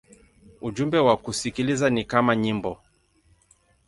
Ujumbe wa kusikiliza ni kama nyimbo.